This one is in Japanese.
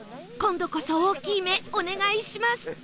今度こそ大きい目お願いします